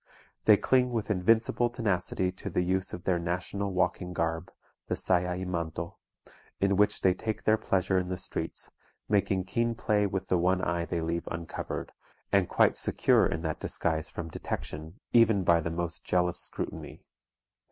They cling with invincible tenacity to the use of their national walking garb, the saya y manto, in which they take their pleasure in the streets, making keen play with the one eye they leave uncovered, and quite secure in that disguise from detection, even by the most jealous scrutiny.